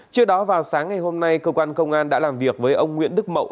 trước đó vào sáng ngày hôm nay cơ quan công an đã làm việc với ông nguyễn đức mậu